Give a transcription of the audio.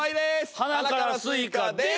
『鼻からスイカ』です。